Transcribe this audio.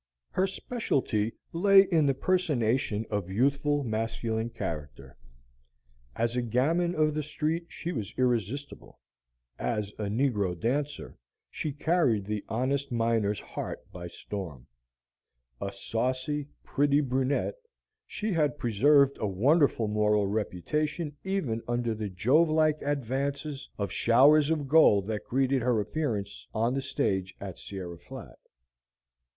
Her specialty lay in the personation of youthful masculine character; as a gamin of the street she was irresistible, as a negro dancer she carried the honest miner's heart by storm. A saucy, pretty brunette, she had preserved a wonderful moral reputation even under the Jove like advances of showers of gold that greeted her appearance on the stage at Sierra Flat.